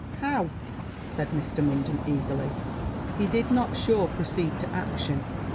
'How!' said Mr. Munden, eagerly; 'he did not, sure, proceed to action?'